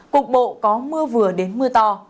cục bộ có mưa vừa đến mưa to